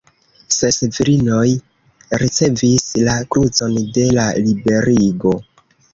Ses virinoj ricevis la krucon de la Liberigo.